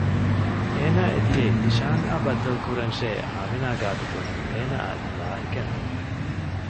އޭނާ އެ ދިޔައީ ވިޝާން އާ ބައްދަލުކުރަންށޭ އާމިނާ ގާތު ބުނަން އޭނާއަށް ލާހިކެއް ނޫން